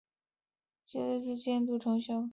同治四年两江总督刘坤一再次监督重修。